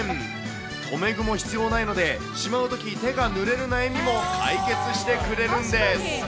留め具も必要ないので、しまうとき、手がぬれる悩みも解決してくれるんです。